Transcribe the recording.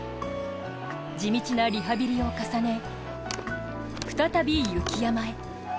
地道なリハビリを重ね再び雪山へ。